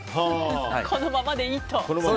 このままでいいと。